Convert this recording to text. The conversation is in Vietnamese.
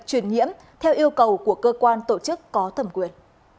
truyền nhiễm theo yêu cầu của cơ quan tổ chức có thẩm quyền